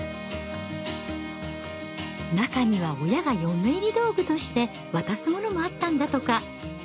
中には親が嫁入り道具として渡すものもあったんだとか。